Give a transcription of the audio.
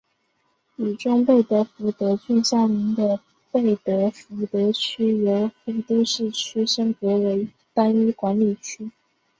与中贝德福德郡相邻的贝德福德区由非都市区升格为单一管理区。